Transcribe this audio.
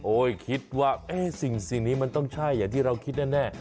คิดว่าสิ่งนี้มันต้องใช่อย่างที่เราคิดแน่